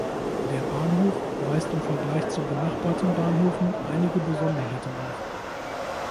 Der Bahnhof weist im Vergleich zu benachbarten Bahnhöfen einige Besonderheiten auf.